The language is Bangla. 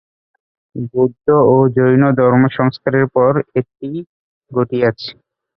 বৌদ্ধ ও জৈন ধর্ম-সংস্কারের পর এইটি ঘটিয়াছে।